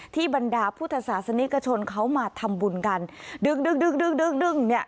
บรรดาพุทธศาสนิกชนเขามาทำบุญกันดึงดึงดึงดึงดึงเนี่ย